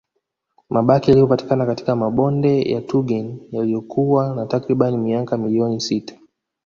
Mabaki yaliyopatikana katika mabonde ya Tugen yaliyokuwa na takriban miaka milioni sita